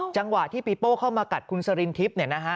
จังหวะที่ปีโป้เข้ามากัดคุณสรินทิพย์